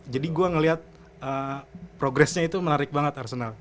jadi gue ngeliat progressnya itu menarik banget arsenal